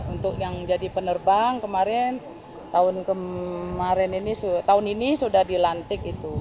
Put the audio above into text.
untuk yang jadi penerbang kemarin tahun kemarin tahun ini sudah dilantik itu